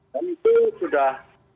dan itu sudah